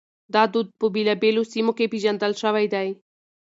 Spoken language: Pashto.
دا دود په بېلابېلو سيمو کې پېژندل شوی دی.